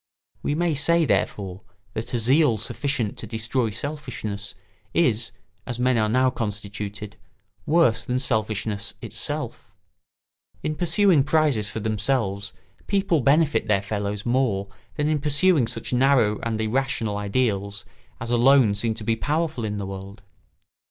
We may say, therefore, that a zeal sufficient to destroy selfishness is, as men are now constituted, worse than selfishness itself. In pursuing prizes for themselves people benefit their fellows more than in pursuing such narrow and irrational ideals as alone seem to be powerful in the world.